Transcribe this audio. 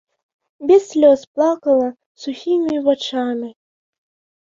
Без слёз плакала сухімі вачамі.